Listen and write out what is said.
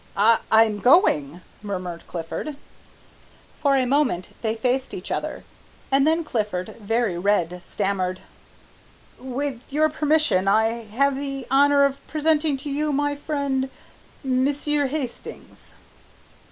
"I I'm going," murmured Clifford. For a moment they faced each other, and then Clifford, very red, stammered, "With your permission I have the honour of presenting to you my friend, Monsieur Hastings."